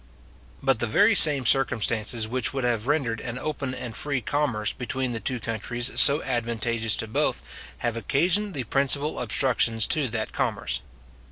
But the very same circumstances which would have rendered an open and free commerce between the two countries so advantageous to both, have occasioned the principal obstructions to that commerce.